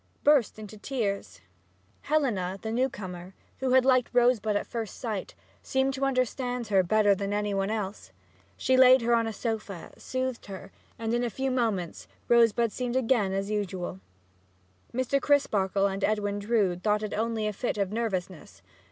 burst into tears. Helena, the new comer, who had liked Rosebud at first sight, seemed to understand her better than any one else. She laid her on a sofa, soothed her, and in a few moments Rosebud seemed again as usual. Mr. Crisparkle and Edwin Drood thought it only a fit of nervousness.